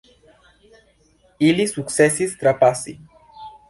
Ili sukcesis trapasi!